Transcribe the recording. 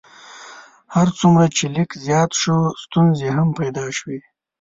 هر څومره چې لیک زیات شو ستونزې هم پیدا شوې.